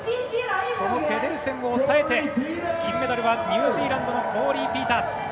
そのペデルセンを抑えて金メダルはニュージーランドのコーリー・ピータース。